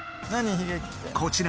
こちら